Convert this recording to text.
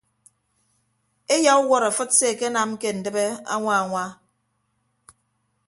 Eyauwọt afịt se akenam ke ndịbe añwa añwa.